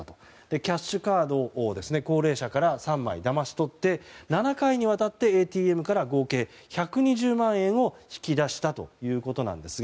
キャッシュカードを高齢者から３枚だまし取って７回にわたってＡＴＭから合計１２０万円を引き出したということです。